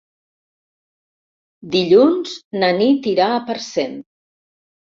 Dilluns na Nit irà a Parcent.